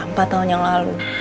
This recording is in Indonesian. empat tahun yang lalu